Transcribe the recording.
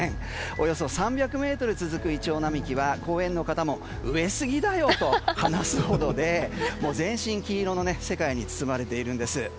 およそ３００ｍ続くイチョウ並木は公園の方も植えすぎだよと話すほどで、全身黄色の世界に包まれているんです。